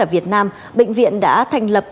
ở việt nam bệnh viện đã thành lập